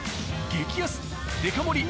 激安デカ盛り